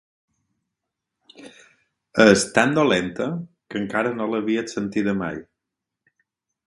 És tan dolenta que encara no l'havies sentida mai.